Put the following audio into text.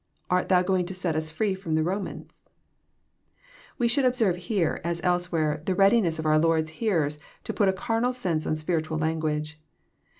Art Thou going to set us free Arom the Romans ?" We should observe here, as elsewhere, the readiness of our Lord's hearers to put a carnal sense on spiritual language.